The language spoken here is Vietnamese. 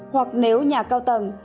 hoặc nếu nhà cao tầng